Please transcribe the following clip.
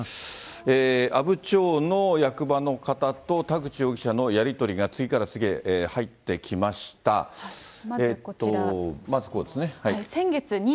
阿武町の役場の方と、田口容疑者のやり取りが次から次へ入っまずこちら。